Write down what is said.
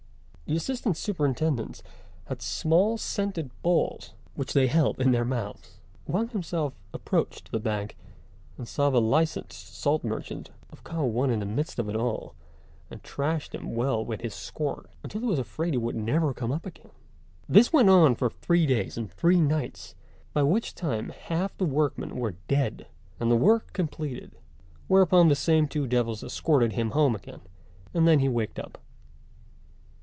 The assistant superintendents had small scented balls, which they held in their mouths. Wang himself approached the bank, and saw the licensed salt merchant of Kao wan in the midst of it all, and thrashed him well with his scourge, until he was afraid he would never come up again. This went on for three days and three nights, by which time half the workmen were dead, and the work completed; whereupon the same two devils escorted him home again, and then he waked up.